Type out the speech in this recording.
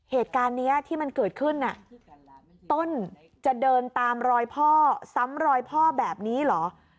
เหตุการณ์นี้ที่มันเกิดขึ้นต้นจะเดินตามรอยพ่อซ้ำรอยพ่อแบบนี้เหรอ